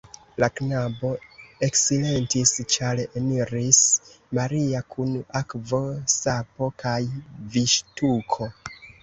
La knabo eksilentis, ĉar eniris Maria kun akvo, sapo kaj viŝtuko.